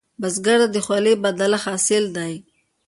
بزګر ته د خولې بدله حاصل دی